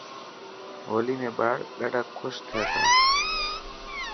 هولي ۾ ٻار ڏاڌا ڪوش ٿي تا.